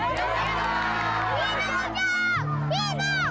hidup ujang hidup